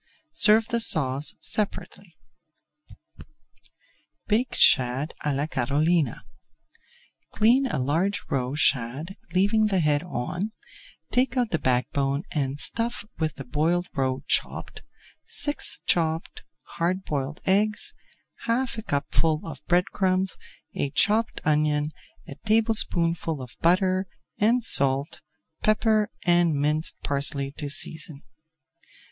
Serve the sauce separately. BAKED SHAD À LA CAROLINA Clean a large roe shad, leaving the head on, [Page 331] take out the backbone and stuff with the boiled roe chopped, six chopped hard boiled eggs, half a cupful of bread crumbs, a chopped onion, a tablespoonful of butter, and salt, pepper, and minced parsley to season.